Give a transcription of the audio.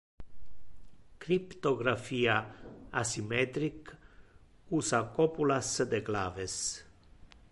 Cryptographia asymmetric usa copulas de claves.